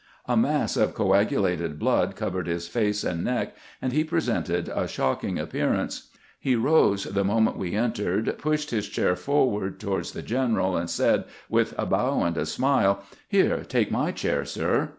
A mass of coagulated blood covered bis face and neck, and be presented a shocking appearance. He arose tbe moment we entered, GRANT AND THE WOUNDED OONFEDEKATE 119 pushed his chair forward toward the general, and said, with a bow and a smile, "Here, take my chair, sir."